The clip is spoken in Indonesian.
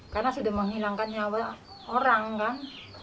karena sudah menghilangkan nyawa orang kan